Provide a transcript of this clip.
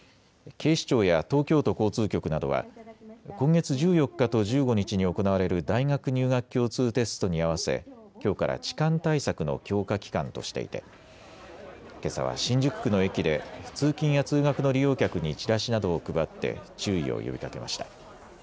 警視庁や東京都交通局などは今月１４日と１５日に行われる大学入学共通テストに合わせきょうから痴漢対策の強化期間としていてけさは新宿区の駅で通勤や通学の利用客にチラシなどを配って注意を呼びかけました。